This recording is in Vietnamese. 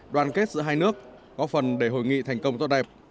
đoàn kết giữa hai nước góp phần để hội nghị thành công tốt đẹp